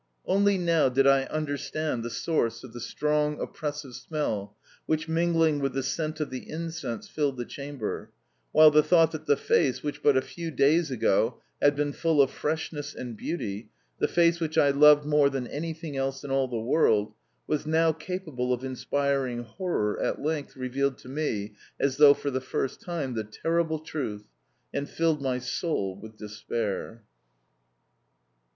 Only now did I understand the source of the strong, oppressive smell which, mingling with the scent of the incense, filled the chamber, while the thought that the face which, but a few days ago, had been full of freshness and beauty the face which I loved more than anything else in all the world was now capable of inspiring horror at length revealed to me, as though for the first time, the terrible truth, and filled my soul with despair.